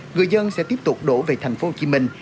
người dân sẽ tiếp tục đổ về thành phố hồ chí minh